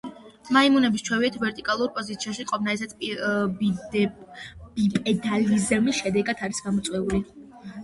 მაიმუნებს სჩვევიათ ვერტიკალურ პოზიციაში ყოფნა, ესეც ბიპედალიზმის შედეგად არის გამოწვეული.